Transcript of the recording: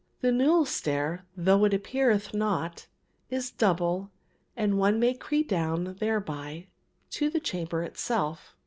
The newel stair, though it appeareth not, is double and one may creep down thereby to the chamber itself.